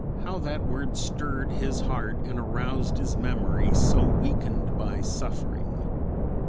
How that word stirred his heart and aroused his memory so weakened by suffering.